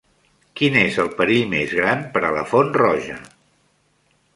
Quin és el perill més gran per a la Font Roja?